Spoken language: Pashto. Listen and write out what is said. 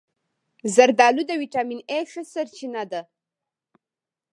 زردآلو د ویټامین A ښه سرچینه ده.